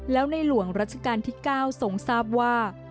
แล้วในหลวงรัชกาลที่๙ทรงทราบว่า